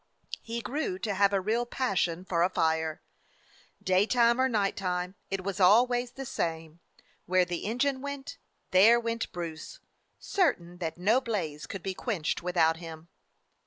He grew to have a real passion for a fire. Daytime or night time, it was always the same; where the engine went, there went Bruce, certain that no blaze could be quenched without him.